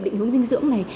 định hướng dinh dưỡng này